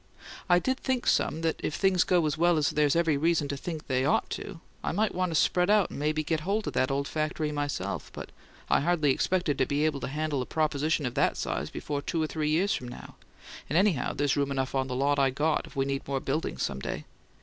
I did think some that if things go as well as there's every reason to think they OUGHT to, I might want to spread out and maybe get hold of that old factory myself; but I hardly expected to be able to handle a proposition of that size before two or three years from now, and anyhow there's room enough on the lot I got, if we need more buildings some day.